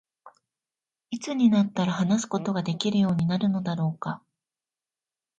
何時になったら話すことができるようになるのだろうか。